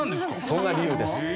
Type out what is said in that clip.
そんな理由です。